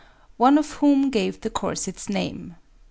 one of whom gave the course its name.